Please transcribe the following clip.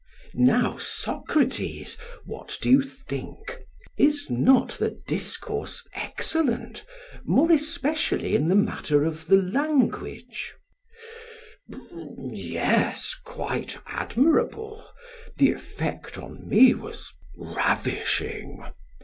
Now, Socrates, what do you think? Is not the discourse excellent, more especially in the matter of the language? SOCRATES: Yes, quite admirable; the effect on me was ravishing.